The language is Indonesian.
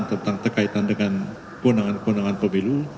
tentang terkaitan dengan keundangan keundangan pemilu